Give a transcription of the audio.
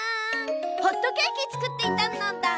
ホットケーキつくっていたのだ。